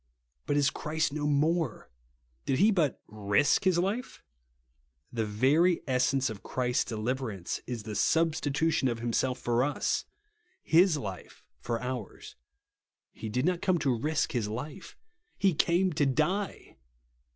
But is Christ no more ? Did he but risk his life ? The very essence of Christ's deliverance is the substitution of Himself for us, his life for 60 THE BLOOD OF SPRINKLING. ours. He did not come to rish his life ; he came to die